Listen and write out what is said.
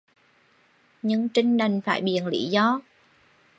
Nhưng trinh đành phải biện lý do